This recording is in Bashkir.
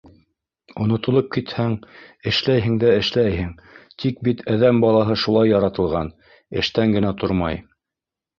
Онотолоп китһәң, эшләйһең дә эшләйһең, тик бит әҙәм балаһы шулай яратылған: эштән генә тормай.